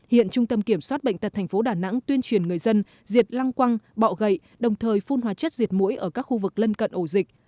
hiện trung tâm kiểm soát bệnh tật tp đà nẵng tuyên truyền người dân diệt lăng quăng bọ gậy đồng thời phun hóa chất diệt mũi ở các khu vực lân cận ổ dịch